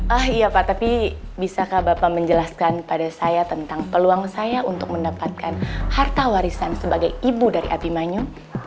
ah iya pak tapi bisakah bapak menjelaskan pada saya tentang peluang saya untuk mendapatkan harta warisan sebagai ibu dari abimanyu